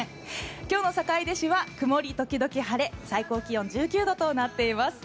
今日の坂出市は曇り時々晴れ最高気温は１９度となっています。